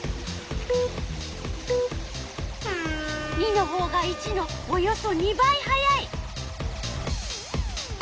②のほうが①のおよそ２倍速い！